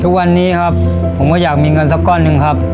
ทุกวันนี้ครับผมก็อยากมีเงินสักก้อนหนึ่งครับ